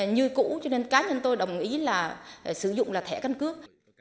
như cũ cho nên cá nhân tôi đồng ý là sử dụng là thẻ căn cước